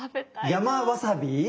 山わさび？